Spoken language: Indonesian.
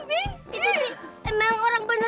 itu sih emang orang beneran